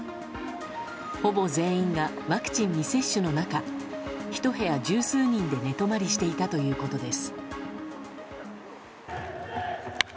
ほぼ全員がワクチン未接種の中１部屋十数人で寝泊まりしていたということです。